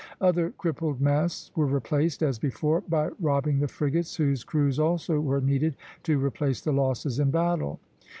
Other crippled masts were replaced as before by robbing the frigates, whose crews also were needed to replace the losses in battle.